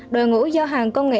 đội ngũ giao hàng công nghệ